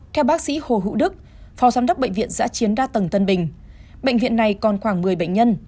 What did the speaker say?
theo bác sĩ hồ hữu đức phó giám đốc bệnh viện giã chiến đa tầng tân bình bệnh viện này còn khoảng một mươi bệnh nhân